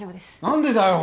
何でだよ。